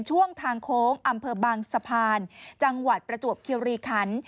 ช่วงทางโค้งอำเภอบางสะพานจังหวัดประจวบคิวรีคัน